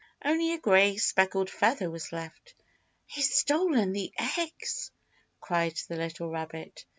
Only a gray speckled feather was left. "He's stolen the eggs!" cried the little rabbit.